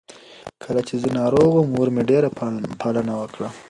کله چې زه ناروغه وم، مور مې ډېره پالنه وکړه.